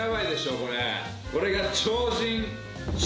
これが。